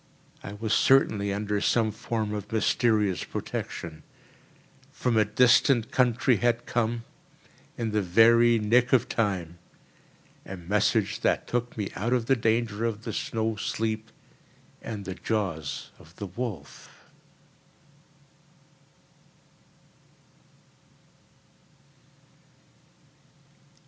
I was certainly under some form of mysterious protection. From a distant country had come, in the very nick of time, a message that took me out of the danger of the snow sleep and the jaws of the wolf.